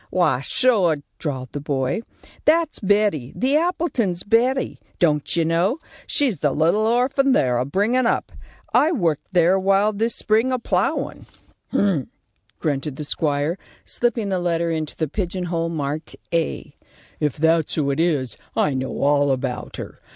"Wy, sure!" drawled the boy. "That's Betty. The Appletons' Betty. Don't you know? She's that little orphan they're a bringin' up. I worked there a while this spring, a plowin'." "Hump!" grunted the squire, slipping the letter into the pigeon hole marked "A." "If that's who it is, I know all about her.